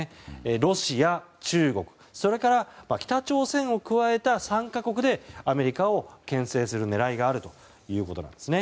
ロシア、中国それから北朝鮮を加えた３か国でアメリカを牽制する狙いがあるということなんですね。